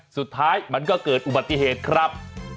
สุดท้ายมันก็เกิดอุบัติเหตุครับ